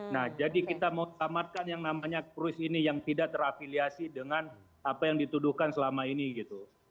nah jadi kita mau selamatkan yang namanya kris ini yang tidak terafiliasi dengan apa yang dituduhkan selama ini gitu